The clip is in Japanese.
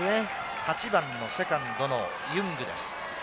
８番のセカンドのユングです。